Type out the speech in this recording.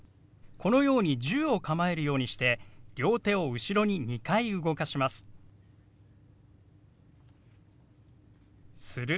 このように銃を構えるようにして両手を後ろに２回動かします。